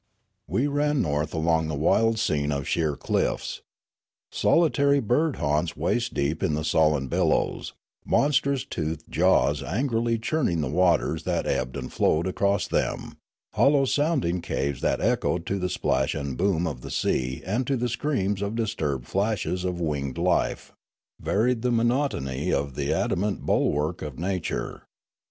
We ran north along the wild scene of sheer cliffs. Solitary bird haunts waist deep in the sullen billows, monstrous toothed jaws angrily churning the waters that ebbed and flowed across them, hollow sounding caves that echoed to the splash and boom of the sea and to the screams of disturbed flashes of winged life, varied the monotony of the adamant bulwark of nature.